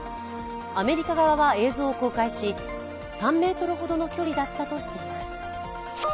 アメリカ側は映像を公開し、３ｍほどの距離だったとしています。